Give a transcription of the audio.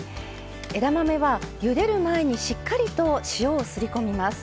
枝豆はゆでる前にしっかりと塩をすりこみます。